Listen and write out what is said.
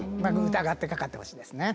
疑ってかかってほしいですね。